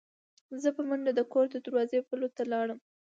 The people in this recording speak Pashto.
زه په منډه د کور د دروازې پلو ته لاړم.